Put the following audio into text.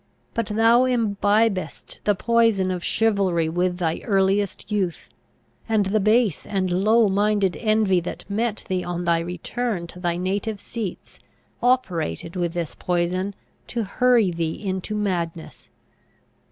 But thou imbibedst the poison of chivalry with thy earliest youth; and the base and low minded envy that met thee on thy return to thy native seats, operated with this poison to hurry thee into madness.